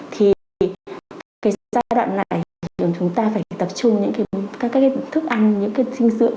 thì cái giai đoạn này thì chúng ta phải tập trung những cái thức ăn những cái dinh dưỡng